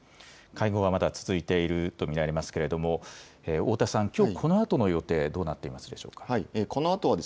会合はまだ続いていると見られますけれども太田さん、きょうこのあとの予定どうなっていますでしょうか。